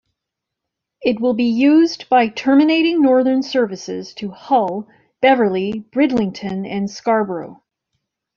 It will be used by terminating Northern services to Hull, Beverley, Bridlington and Scarborough.